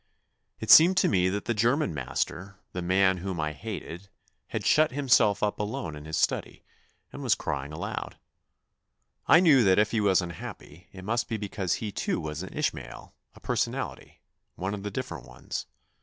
It seemed to me that the 74 THE NEW BOY German master, the man whom I hated, had shut himself up alone in his study, and was crying aloud. I knew that if he was unhappy, it must be because he too was an Ishmael, a personality, one of the different ones.